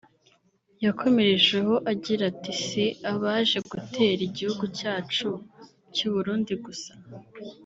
yakomerejeho agira ati “Si abaje gutera igihugu cyacu cy’u Burundi gusa